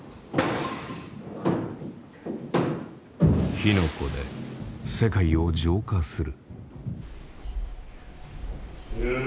火の粉で世界を浄化する。